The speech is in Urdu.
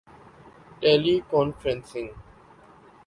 ٹیلی کانفرنسنگ م